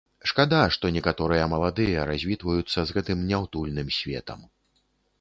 Шкада, што некаторыя маладыя развітваюцца з гэтым няўтульным светам.